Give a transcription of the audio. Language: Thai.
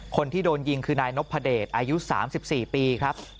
คนที่โดนยิงคือนายนพเดชอายุ๓๔ปีครับ